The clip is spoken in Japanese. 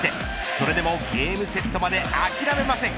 それでもゲームセットまで諦めません。